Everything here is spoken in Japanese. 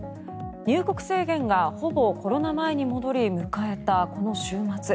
入国制限がほぼコロナ前に戻り迎えたこの週末。